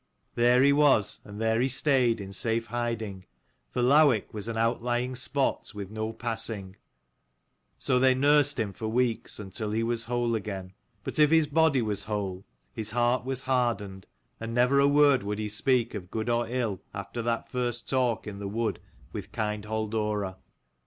There he was and there he stayed in safe hiding, for Lowick was an out lying spot, with no passing: so they nursed him for weeks until he was whole again. But if his body was whole, his heart was hardened, and never a word would he speak of good or ill, after that first talk in the wood with kind Halldora.